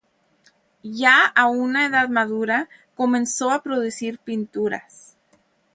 Ya a una edad madura, comenzó a producir pinturas.